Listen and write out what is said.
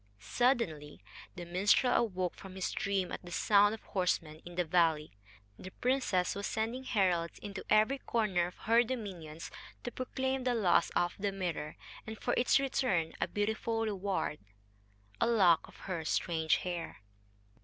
Suddenly the minstrel awoke from his dream at the sound of horsemen in the valley. The princess was sending heralds into every corner of her dominions to proclaim the loss of the mirror, and for its return a beautiful reward a lock of her strange hair.